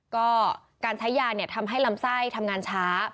ก็การใช้ยาเนี่ยทำให้ลำไส้ทำงานช้า